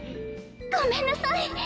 「ごめんなさい」。